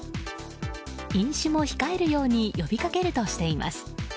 飲酒も控えるように呼びかけるとしています。